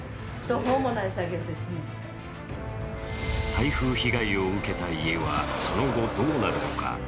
台風被害を受けた家はその後どうなるのか。